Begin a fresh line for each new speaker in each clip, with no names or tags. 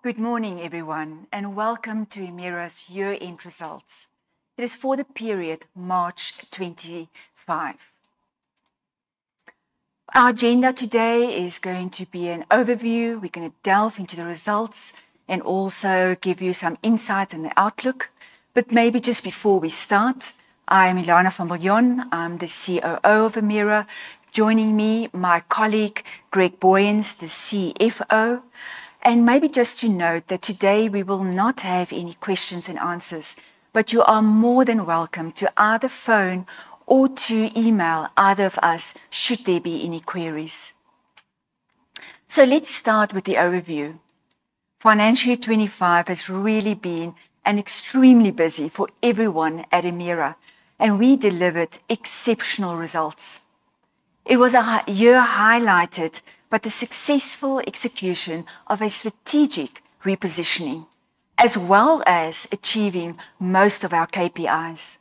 Good morning, everyone, and welcome to Emira's year-end results. It is for the period March 2025. Our agenda today is going to be an overview. We're gonna delve into the results and also give you some insight in the outlook. Maybe just before we start, I'm Ulana van Biljon. I'm the COO of Emira. Joining me, my colleague, Greg Booyens, the CFO. Maybe just to note that today we will not have any questions and answers, but you are more than welcome to either phone or to email either of us should there be any queries. Let's start with the overview. Financial year 2025 has really been an extremely busy year for everyone at Emira, and we delivered exceptional results. It was a year highlighted by the successful execution of a strategic repositioning, as well as achieving most of our KPIs.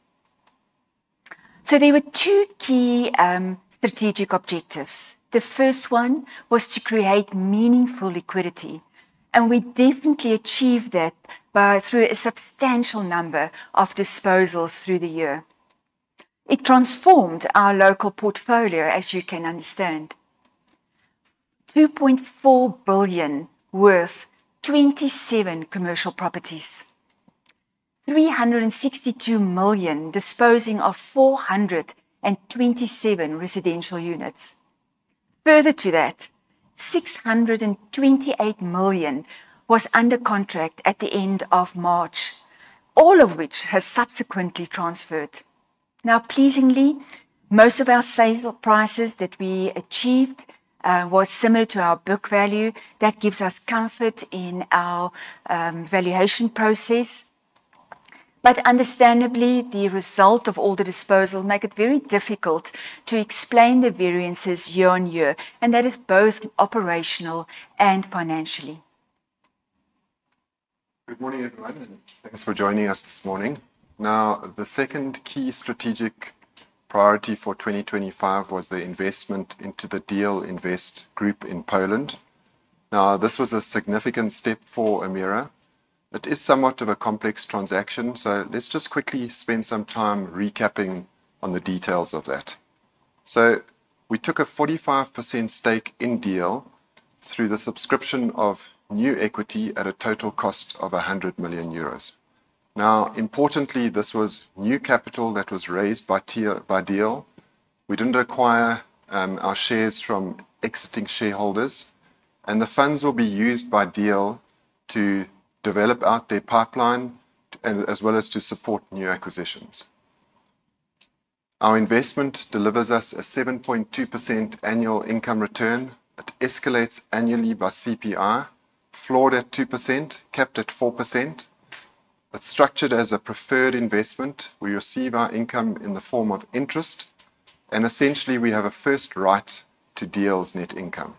There were two key strategic objectives. The first one was to create meaningful liquidity, and we definitely achieved that through a substantial number of disposals through the year. It transformed our local portfolio, as you can understand: 2.4 billion worth, 27 commercial properties; 362 million disposing of 427 residential units. Further to that, 628 million was under contract at the end of March, all of which has subsequently transferred. Now pleasingly, most of our sale prices that we achieved was similar to our book value. That gives us comfort in our valuation process. Understandably, the result of all the disposals make it very difficult to explain the variances year-on-year, and that is both operational and financially.
Good morning, everyone, and thanks for joining us this morning. The second key strategic priority for 2025 was the investment into the DL Invest Group in Poland. This was a significant step for Emira. It is somewhat of a complex transaction, so let's just quickly spend some time recapping on the details of that. We took a 45% stake in DL through the subscription of new equity at a total cost of 100 million euros. Importantly, this was new capital that was raised by DL. We didn't acquire our shares from exiting shareholders, and the funds will be used by DL to develop out their pipeline and as well as to support new acquisitions. Our investment delivers us a 7.2% annual income return that escalates annually by CPI, floored at 2%, capped at 4%. It's structured as a preferred investment. We receive our income in the form of interest, and essentially, we have a first right to DL Invest's net income.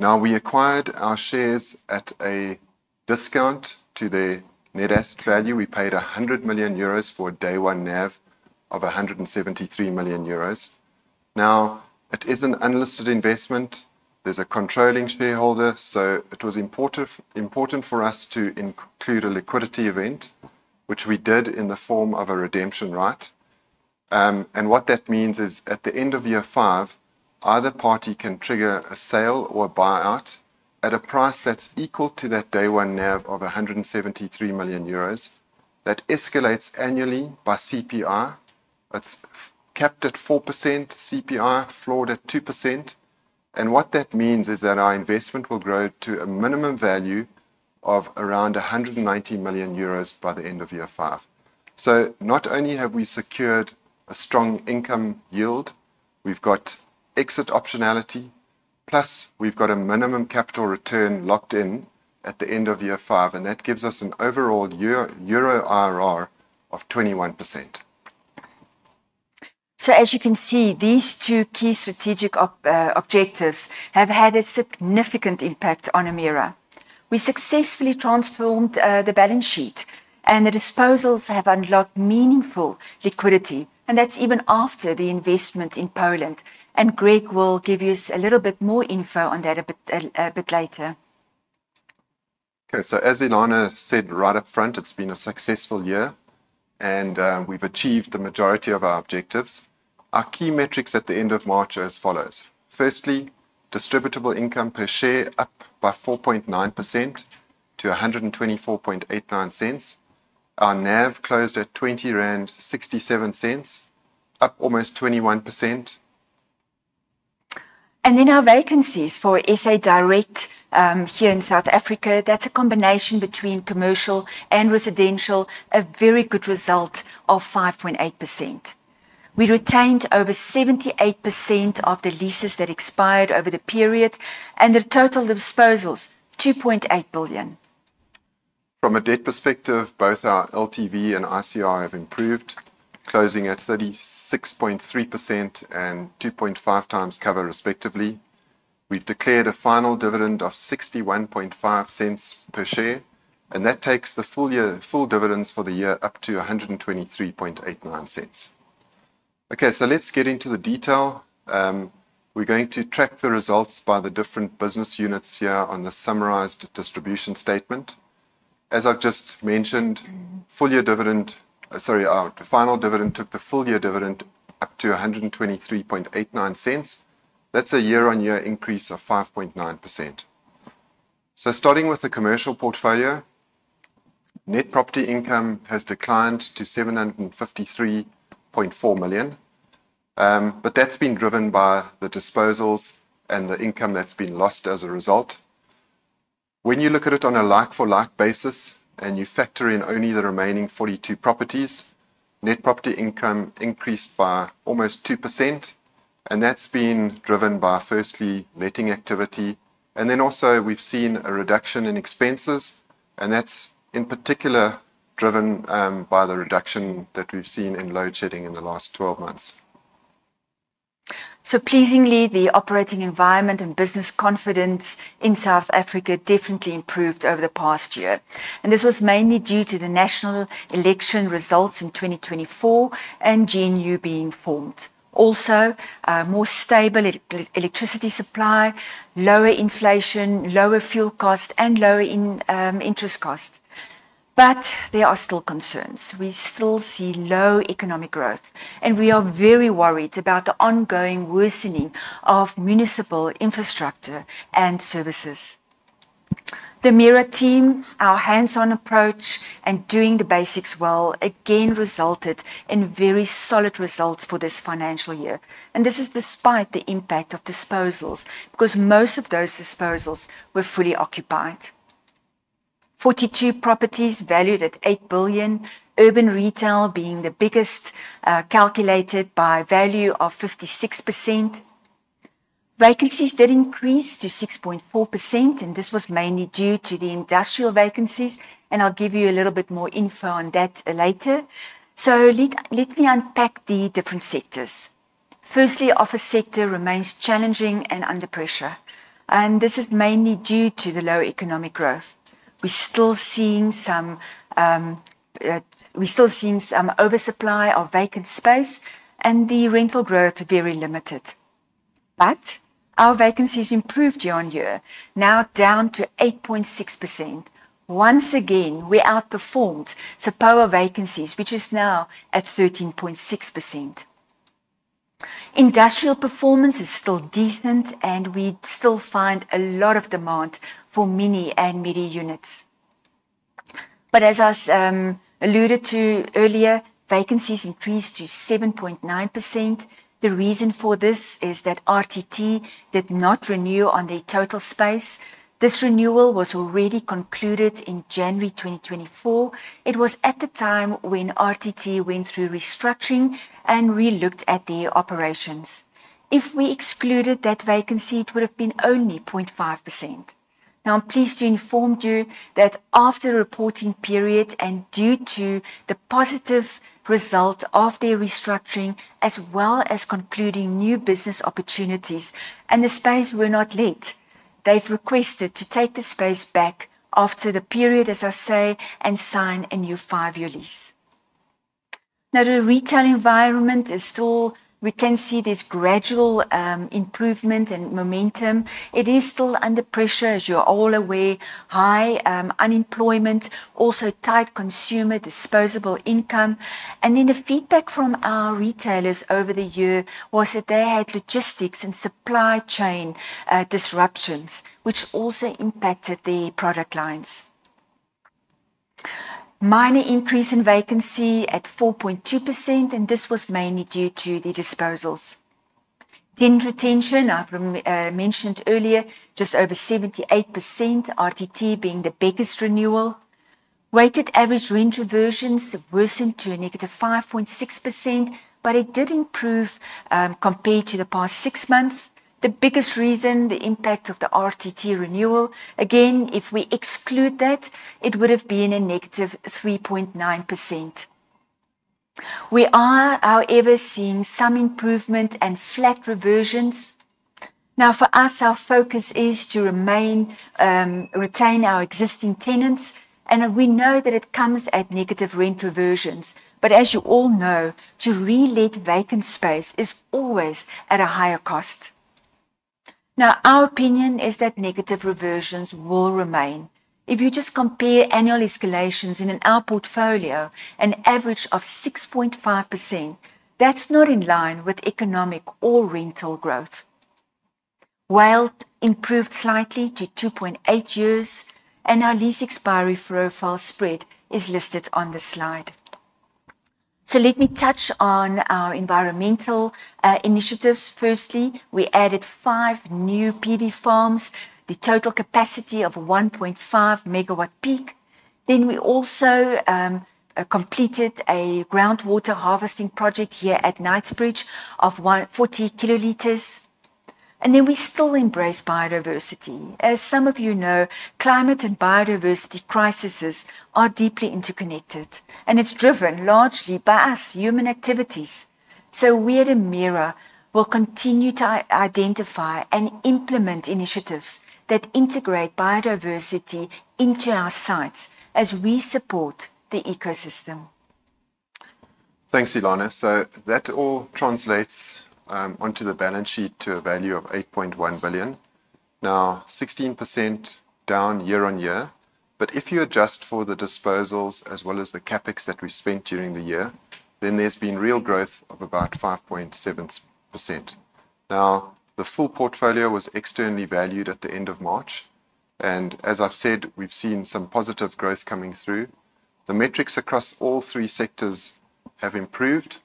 Now, we acquired our shares at a discount to the net asset value. We paid 100 million euros for day one NAV of 173 million euros. Now, it is an unlisted investment. There's a controlling shareholder. It was important for us to include a liquidity event, which we did in the form of a redemption right. And what that means is, at the end of year five, either party can trigger a sale or buyout at a price that's equal to that day one NAV of 173 million euros. That escalates annually by CPI. That's capped at 4% CPI, floored at 2%. What that means is that our investment will grow to a minimum value of around 190 million euros by the end of year five. Not only have we secured a strong income yield, we've got exit optionality, plus we've got a minimum capitall return locked in at the end of year five, and that gives us an overall euro IRR of 21%.
As you can see, these two key strategic objectives have had a significant impact on Emira. We successfully transformed the balance sheet, and the disposals have unlocked meaningful liquidity, and that's even after the investment in Poland. Greg will give us a little bit more info on that a bit later.
Okay. As Ulana said right up front, it's been a successful year, and we've achieved the majority of our objectives. Our key metrics at the end of March are as follows. Firstly, distributable income per share up by 4.9% to 1.2489. Our NAV closed at 20.67 rand, up almost 21%.
Our vacancies for SA Direct here in South Africa, that's a combination between commercial and residential, a very good result of 5.8%. We retained over 78% of the leases that expired over the period and the total disposals, 2.8 billion.
From a debt perspective, both our LTV and ICR have improved, closing at 36.3% and 2.5x cover respectively. We've declared a final dividend of 61.5 cents per share, and that takes the full year dividends for the year up to 123.89 cents. Okay, let's get into the detail. We're going to track the results by the different business units here on the summarized distribution statement. As I've just mentioned, full year dividend, sorry, our final dividend took the full year dividend up to 123.89 cents. That's a year-on-year increase of 5.9%. Starting with the commercial portfolio, net property income has declined to 753.4 million. That's been driven by the disposals and the income that's been lost as a result. When you look at it on a like-for-like basis, and you factor in only the remaining 42 properties, net property income increased by almost 2%, and that's been driven by, firstly, letting activity. Then also we've seen a reduction in expenses, and that's in particular driven by the reduction that we've seen in load shedding in the last 12 months.
Pleasingly, the operating environment and business confidence in South Africa definitely improved over the past year, and this was mainly due to the national election results in 2024 and GNU being formed. Also, a more stable electricity supply, lower inflation, lower fuel cost and lower interest cost. There are still concerns. We still see low economic growth, and we are very worried about the ongoing worsening of municipal infrastructure and services. The Emira team, our hands-on approach and doing the basics well again resulted in very solid results for this financial year, and this is despite the impact of disposals, because most of those disposals were fully occupied. 42 properties valued at 8 billion, urban retail being the biggest, calculated by value of 56%. Vacancies did increase to 6.4%, and this was mainly due to the industrial vacancies, and I'll give you a little bit more info on that later. Let me unpack the different sectors. Firstly, office sector remains challenging and under pressure, and this is mainly due to the lower economic growth. We're still seeing some oversupply of vacant space and the rental growth very limited. Our vacancies improved year-on-year, now down to 8.6%. Once again, we outperformed SAPOA vacancies, which is now at 13.6%. Industrial performance is still decent, and we still find a lot of demand for mini and midi units. As I alluded to earlier, vacancies increased to 7.9%. The reason for this is that RTT did not renew on their total space. This renewal was already concluded in January 2024. It was at the time when RTT went through restructuring and relooked at their operations. If we excluded that vacancy, it would have been only 0.5%. Now, I'm pleased to inform you that after the reporting period, and due to the positive result of their restructuring as well as concluding new business opportunities and the space were not let, they've requested to take the space back after the period, as I say, and sign a new five-year lease. Now, the retail environment is still. We can see there's gradual improvement and momentum. It is still under pressure, as you're all aware. High unemployment, also tight consumer disposable income. The feedback from our retailers over the year was that they had logistics and supply chain disruptions, which also impacted the product lines. Minor increase in vacancy at 4.2%, and this was mainly due to the disposals. Tenant retention, I mentioned earlier, just over 78%, RTT being the biggest renewal. Weighted average rent reversions worsened to a negative 5.6%, but it did improve compared to the past six months. The biggest reason, the impact of the RTT renewal. Again, if we exclude that, it would have been a negative 3.9%. We are, however, seeing some improvement and flat reversions. Now, for us, our focus is to retain our existing tenants, and we know that it comes at negative rent reversions. As you all know, to re-let vacant space is always at a higher cost. Now, our opinion is that negative reversions will remain. If you just compare annual escalations in our portfolio, an average of 6.5%, that's not in line with economic or rental growth. WALE improved slightly to two point eight years, and our lease expiry profile spread is listed on the slide. Let me touch on our environmental initiatives. Firstly, we added five new PV farms, the total capacity of 1.5 MW peak. We also completed a groundwater harvesting project here at Knightsbridge of 140 kL. We still embrace biodiversity. As some of you know, climate and biodiversity crises are deeply interconnected, and it's driven largely by us, human activities. We at Emira will continue to identify and implement initiatives that integrate biodiversity into our sites as we support the ecosystem.
Thanks, Ulana. That all translates onto the balance sheet to a value of 8.1 billion. Now 16% down year-on-year. If you adjust for the disposals as well as the CapEx that we spent during the year, then there's been real growth of about 5.7%. Now, the full portfolio was externally valued at the end of March, and as I've said, we've seen some positive growth coming through. The metrics across all three sectors have improved.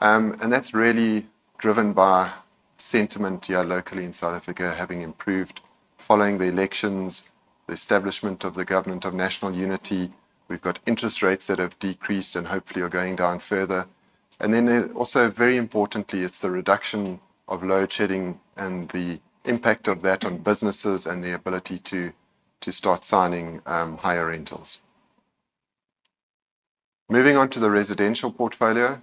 That's really driven by sentiment here locally in South Africa having improved following the elections, the establishment of the Government of National Unity. We've got interest rates that have decreased and hopefully are going down further. also very importantly, it's the reduction of load shedding and the impact of that on businesses and the ability to start signing higher rentals. Moving on to the residential portfolio.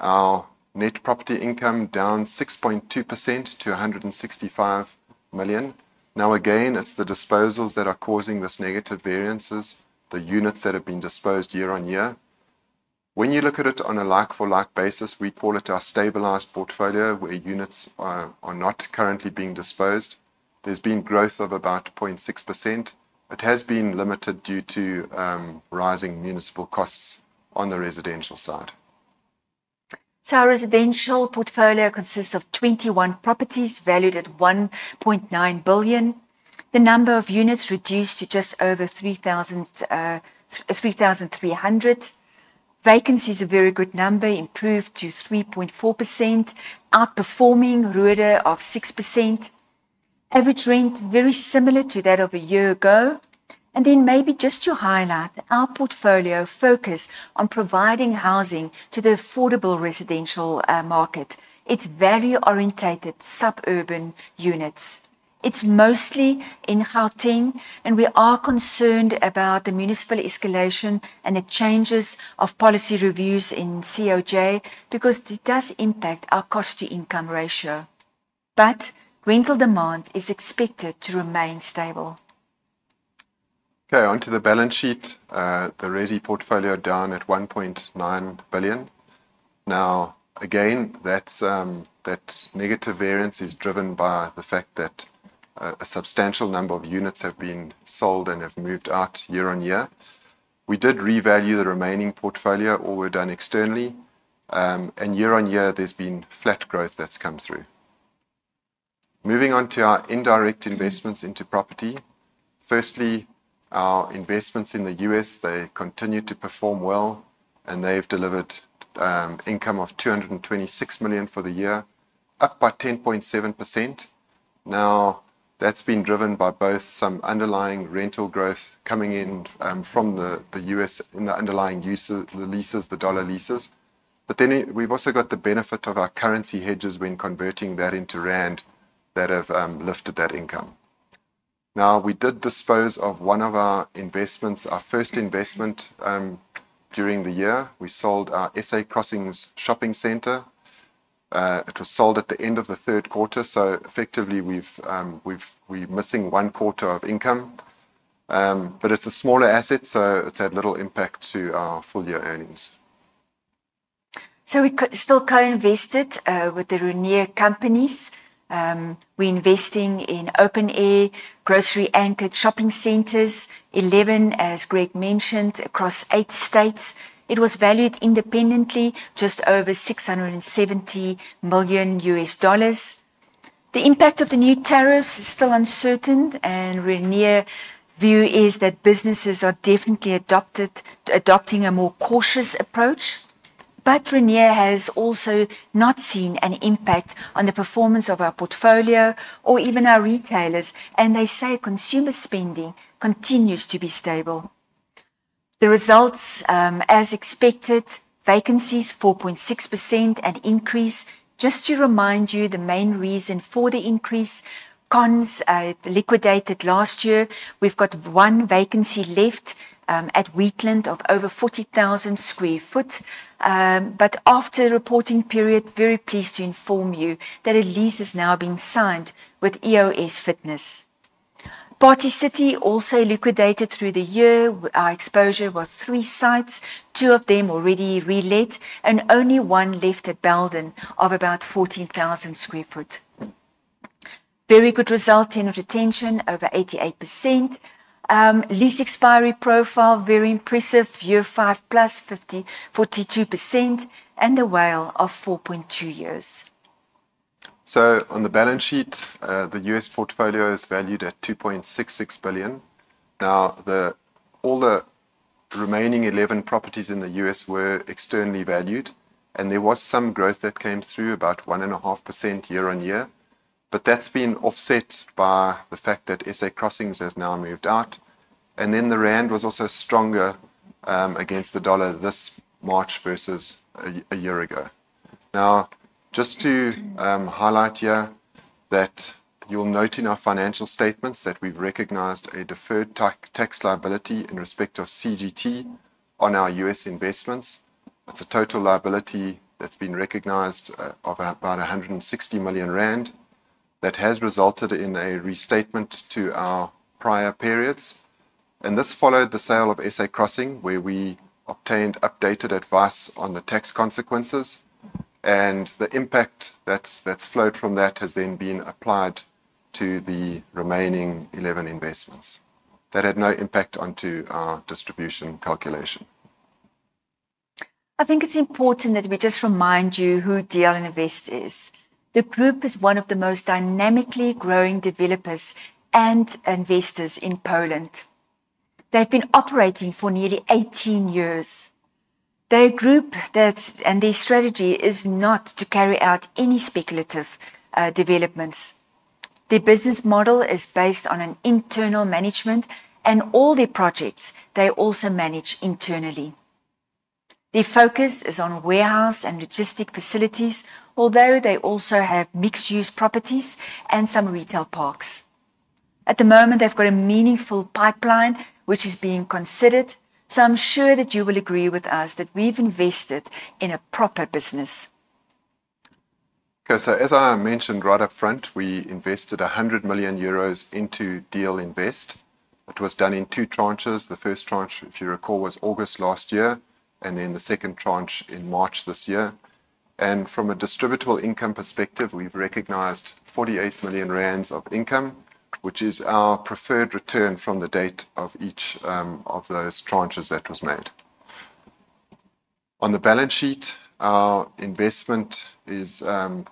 Our net property income down 6.2% to 165 million. Now, again, it's the disposals that are causing this negative variances, the units that have been disposed year on year. When you look at it on a like for like basis, we call it our stabilized portfolio, where units are not currently being disposed. There's been growth of about 0.6%. It has been limited due to rising municipal costs on the residential side.
Our residential portfolio consists of 21 properties valued at 1.9 billion. The number of units reduced to just over 3,300. Vacancy is a very good number, improved to 3.4%, outperforming Rode of 6%. Average rent very similar to that of a year ago. Maybe just to highlight our portfolio focus on providing housing to the affordable residential market. It's value-oriented suburban units. It's mostly in Gauteng, and we are concerned about the municipal escalation and the changes of policy reviews in COJ because it does impact our cost to income ratio. Rental demand is expected to remain stable.
Okay, onto the balance sheet. The resi portfolio down at 1.9 billion. Now again, that's that negative variance is driven by the fact that a substantial number of units have been sold and have moved out YoY. We did revalue the remaining portfolio, all were done externally. YoY there's been flat growth that's come through. Moving on to our indirect investments into property. Firstly, our investments in the U.S., they continue to perform well and they've delivered income of 226 million for the year, up by 10.7%. Now, that's been driven by both some underlying rental growth coming in from the U.S. in the underlying leases, the dollar leases. We've also got the benefit of our currency hedges when converting that into rand that have lifted that income. Now, we did dispose of one of our investments, our first investment, during the year. We sold our San Crossings shopping center. It was sold at the end of the Q3. Effectively we're missing one quarter of income. It's a smaller asset, so it's had little impact to our full year earnings.
We still co-invested with the Rainier Companies. We're investing in open air grocery anchored shopping centers, 11, as Greg mentioned, across eight states. It was valued independently, just over $670 million. The impact of the new tariffs is still uncertain and Rainier view is that businesses are definitely adopting a more cautious approach. Rainier has also not seen an impact on the performance of our portfolio or even our retailers, and they say consumer spending continues to be stable. The results, as expected, vacancies 4.6%, an increase. Just to remind you, the main reason for the increase, Conn's liquidated last year. We've got one vacancy left at Wheatland of over 40,000 sq ft. After reporting period, very pleased to inform you that a lease has now been signed with EōS Fitness. Party City also liquidated through the year. Our exposure was three sites, two of them already relet, and only one left at Belden of about 14,000 sq ft. Very good result, tenant retention over 88%. Lease expiry profile, very impressive, year 5+50, 42% and the WAL of four point two years.
On the balance sheet, the U.S. portfolio is valued at 2.66 billion. Now all the remaining eleven properties in the U.S. were externally valued and there was some growth that came through about 1.5% year-on-year. That's been offset by the fact that San Crossings has now moved out, and then the rand was also stronger against the dollar this March versus a year ago. Now, just to highlight here that you'll note in our financial statements that we've recognized a deferred tax liability in respect of CGT on our U.S. investments. It's a total liability that's been recognized of about 160 million rand. That has resulted in a restatement to our prior periods. This followed the sale of San Crossings, where we obtained updated advice on the tax consequences and the impact that's flowed from that has then been applied to the remaining 11 investments. That had no impact onto our distribution calculation.
I think it's important that we just remind you who DL Invest is. The group is one of the most dynamically growing developers and investors in Poland. They've been operating for nearly 18 years. Their group and their strategy is not to carry out any speculative developments. Their business model is based on an internal management and all their projects they also manage internally. Their focus is on warehouse and logistics facilities, although they also have mixed-use properties and some retail parks. At the moment, they've got a meaningful pipeline which is being considered. I'm sure that you will agree with us that we've invested in a proper business.
As I mentioned right up front, we invested 100 million euros into DL Invest. It was done in two tranches. The first tranche, if you recall, was August last year, and then the second tranche in March this year. From a distributable income perspective, we've recognized 48 million rand of income, which is our preferred return from the date of each of those tranches that was made. On the balance sheet, our investment is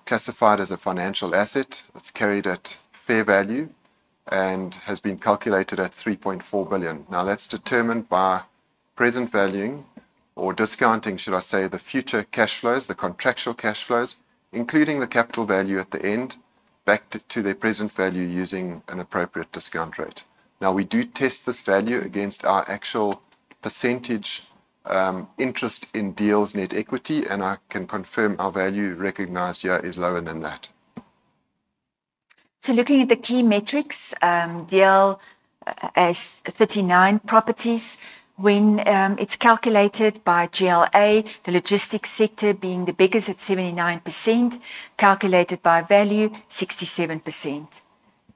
classified as a financial asset that's carried at fair value and has been calculated at 3.4 billion. Now, that's determined by present valuing or discounting, should I say, the future cash flows, the contractual cash flows, including the capital value at the end, back to their present value using an appropriate discount rate. Now, we do test this value against our actual percentage interest in DL's net equity, and I can confirm our value recognized here is lower than that.
Looking at the key metrics, DL Invest has 39 properties. When it's calculated by GLA, the logistics sector being the biggest at 79%, calculated by value, 67%.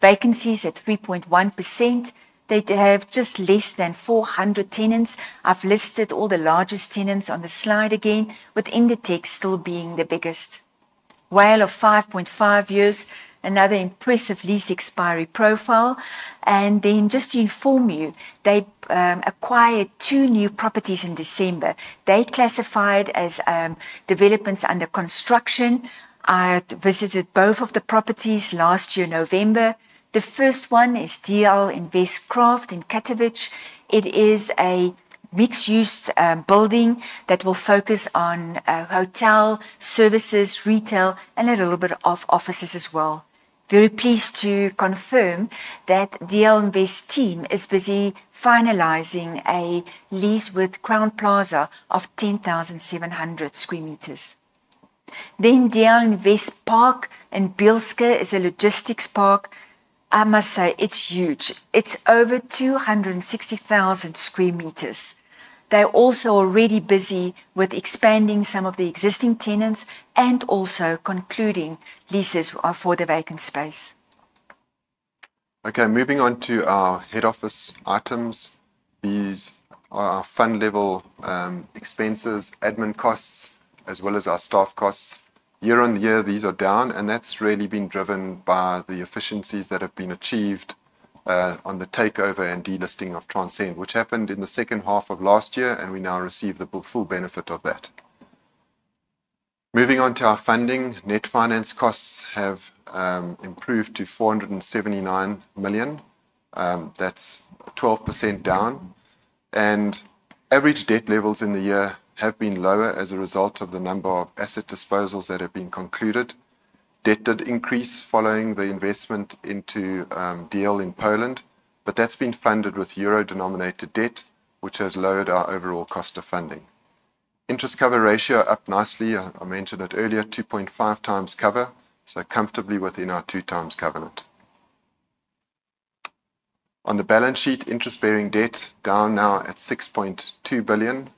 Vacancies at 3.1%. They have just less than 400 tenants. I've listed all the largest tenants on the slide again, with Inditex still being the biggest. WALE of five point five years, another impressive lease expiry profile. Just to inform you, they acquired two new properties in December. They classified as developments under construction. I visited both of the properties last year, November. The first one is DL Prime in Katowice. It is a mixed-use building that will focus on hotel, services, retail, and a little bit of offices as well. Very pleased to confirm that DL Invest team is busy finalizing a lease with Crowne Plaza of 10,700 sq m. DL Invest Park in Bielsko-Biała is a logistics park. I must say, it's huge. It's over 260,000 sq m. They're also already busy with expanding some of the existing tenants and also concluding leases for the vacant space.
Okay, moving on to our head office items. These are our fund level expenses, admin costs, as well as our staff costs. Year on year, these are down, and that's really been driven by the efficiencies that have been achieved on the takeover and delisting of Transcend, which happened in the H2 of last year, and we now receive the full benefit of that. Moving on to our funding, net finance costs have improved to 479 million. That's 12% down. Average debt levels in the year have been lower as a result of the number of asset disposals that have been concluded. Debt did increase following the investment into DL in Poland, but that's been funded with euro-denominated debt, which has lowered our overall cost of funding. Interest cover ratio up nicely. I mentioned it earlier, 2.5x cover, so comfortably within our 2x covenant. On the balance sheet, interest-bearing debt down now at 6.2 billion.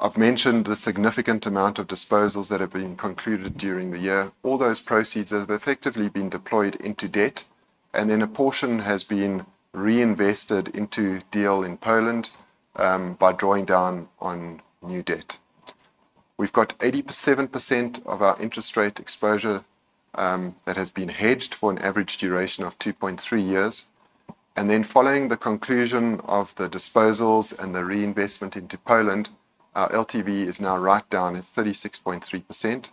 I've mentioned the significant amount of disposals that have been concluded during the year. All those proceeds have effectively been deployed into debt, and then a portion has been reinvested into DL in Poland by drawing down on new debt. We've got 87% of our interest rate exposure that has been hedged for an average duration of two point three years. Then following the conclusion of the disposals and the reinvestment into Poland, our LTV is now right down at 36.3%,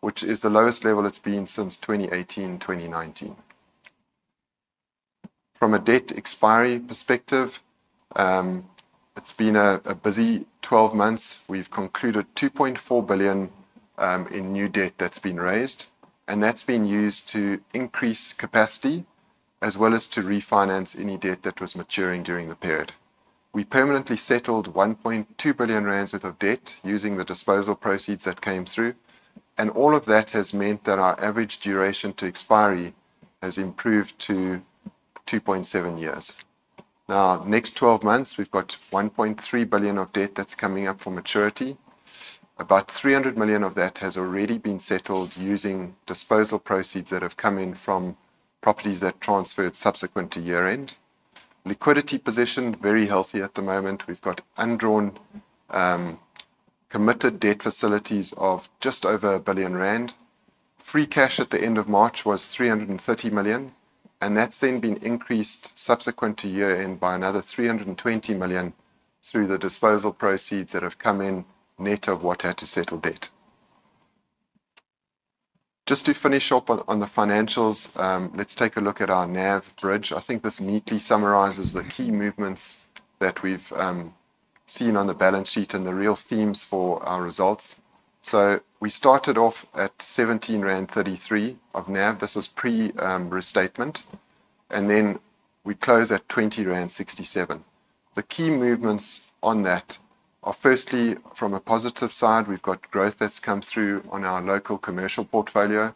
which is the lowest level it's been since 2018, 2019. From a debt expiry perspective, it's been a busy 12 months. We've concluded 2.4 billion in new debt that's been raised, and that's been used to increase capacity as well as to refinance any debt that was maturing during the period. We permanently settled 1.2 billion rand worth of debt using the disposal proceeds that came through. All of that has meant that our average duration to expiry has improved to two point seven years. Now, next 12 months, we've got 1.3 billion of debt that's coming up for maturity. About 300 million of that has already been settled using disposal proceeds that have come in from properties that transferred subsequent to year-end. Liquidity position, very healthy at the moment. We've got undrawn committed debt facilities of just over 1 billion rand. Free cash at the end of March was 300 million, and that's since been increased subsequent to year-end by another 320 million through the disposal proceeds that have come in net of what had to settle debt. Just to finish up on the financials, let's take a look at our NAV bridge. I think this neatly summarizes the key movements that we've seen on the balance sheet and the real themes for our results. We started off at 17.33 rand NAV. This was pre restatement. We close at 20.67 rand. The key movements on that are firstly, from a positive side, we've got growth that's come through on our local commercial portfolio.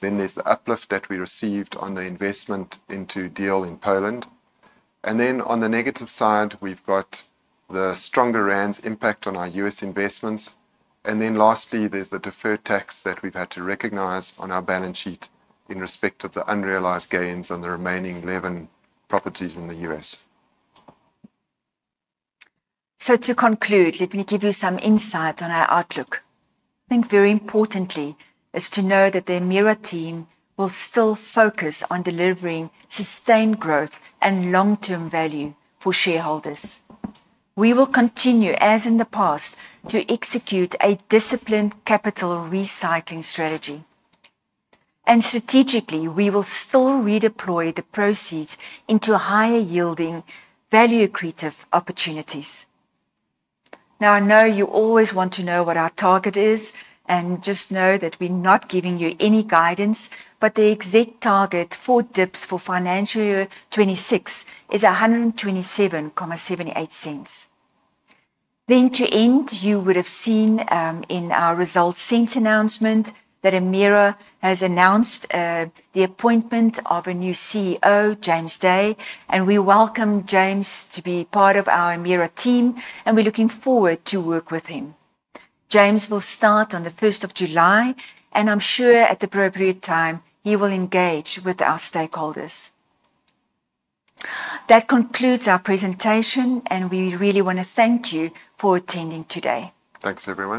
There's the uplift that we received on the investment into DL Invest in Poland. On the negative side, we've got the stronger rand's impact on our U.S. investments. Lastly, there's the deferred tax that we've had to recognize on our balance sheet in respect of the unrealized gains on the remaining 11 properties in the U.S.
To conclude, let me give you some insight on our outlook. I think very importantly is to know that the Emira team will still focus on delivering sustained growth and long-term value for shareholders. We will continue, as in the past, to execute a disciplined capital recycling strategy. Strategically, we will still redeploy the proceeds into higher yielding value accretive opportunities. Now I know you always want to know what our target is, and just know that we're not giving you any guidance, but the exact target for DPS for financial year 2026 is 1.2778. To end, you would have seen in our results since announcement that Emira has announced the appointment of a new CEO, James Day, and we welcome James to be part of our Emira team, and we're looking forward to work with him. James will start on the 1 July, and I'm sure at the appropriate time, he will engage with our stakeholders. That concludes our presentation, and we really wanna thank you for attending today.
Thanks, everyone.